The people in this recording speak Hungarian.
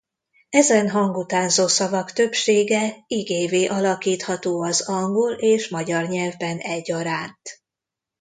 Ezen hangutánzó szavak többsége igévé alakítható az angol és magyar nyelvben egyaránt.